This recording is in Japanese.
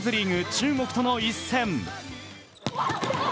中国との一戦。